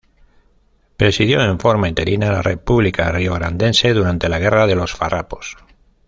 Presidió en forma interina la República Riograndense durante la Guerra de los Farrapos.